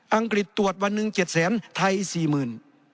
อังกฤษตรวจวันหนึ่งเจ็ดแสนไทยสี่หมื่น